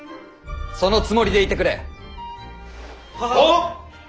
そのつもりでいてくれ！ははっ！